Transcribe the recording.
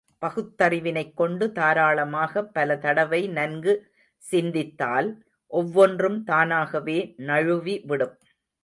பகுத்தறிவினைக் கொண்டு தாராளமாகப் பலதடவை நன்கு சிந்தித்தால் ஒவ்வொன்றும் தானாகவே நழுவி விடும்.